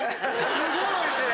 すごいおいしい。